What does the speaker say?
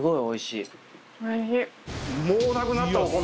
おいしい。